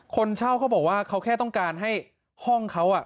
คนเช่าเขาบอกว่าเขาแค่ต้องการให้ห้องเขา